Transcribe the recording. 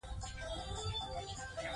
هغې کولای سوای چې لنډۍ ووایي.